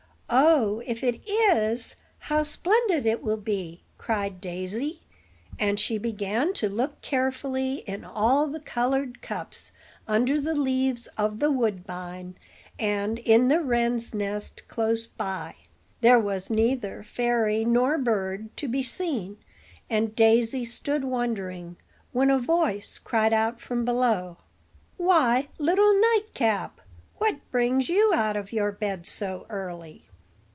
Oh, if it is how splendid it will be!" cried Daisy; and she began to look carefully in all the colored cups, under the leaves of the woodbine, and in the wren's nest close by. There was neither fairy nor bird to be seen; and Daisy stood wondering, when a voice cried out from below: "Why, little nightcap, what brings you out of your bed so early?"